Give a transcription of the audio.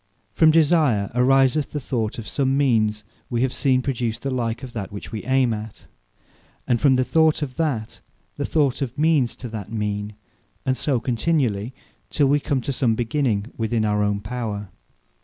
From Desire, ariseth the Thought of some means we have seen produce the like of that which we ayme at; and from the thought of that, the thought of means to that mean; and so continually, till we come to some beginning within our own power.